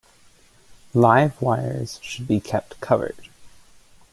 Live wires should be kept covered.